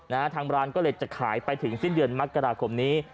ทางร้านก็เลยจะขายไปถึงสิ้นเดือนมกราคมนี้